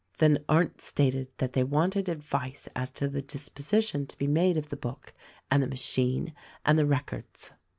Then Arndt stated that they wanted advice as to the dis position to be made of the book and the machine and the records.